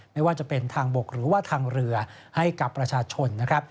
ไม่ว่าจะเป็นทางบกหรือว่าทางเรือให้กับประชาชนนะครับ